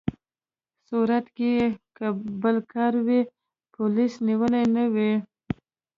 صورت کې که بل کار وي، پولیسو نیولي نه وي.